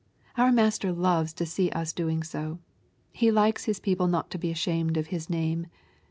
Our Master loves to see us doing so. He likes His people not to be ashamed of His name.